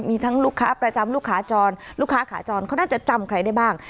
มีทั้งลูกค้าประจำลูกค้าจรลูกค้าขาจรเขาน่าจะจำใครได้บ้าง